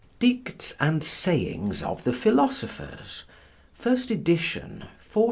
DICTES AND SAYINGS OF THE PHILOSOPHERS FIRST EDITION (1477).